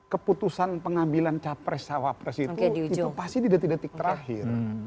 keputusan pengambilan capres cawapres itu itu pasti di detik detik terakhir